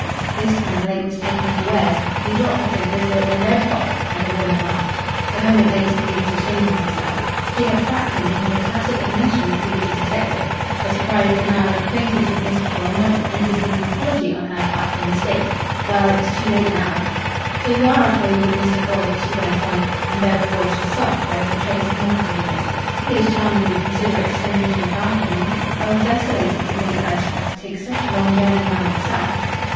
This time Blake was taken unawares. He dropped the paper as though it were red hot, and the woman laughed. A moment later he was ashamed of himself. She had trapped him into a tacit admission that he was a detective. A surprised denial of acquaintance with Mr. Foyle might have ended in an apology on her part for a mistake. Well, it was too late now. "So you are a colleague of Mr. Foyle's?" she went on, and though her voice was soft there was a trace of mockery in it. "He is charmingly considerate to send you to look after me. I was desolated to think that I should have to take such a long journey by myself."